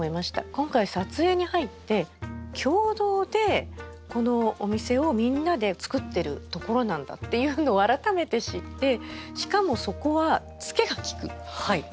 今回撮影に入って共同でこのお店をみんなでつくってるところなんだっていうのを改めて知ってしかもそこはツケがきく。